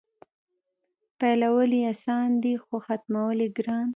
پیلول یې اسان دي خو ختمول یې ګران.